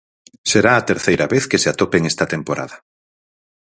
Será a terceira vez que se atopen esta temporada.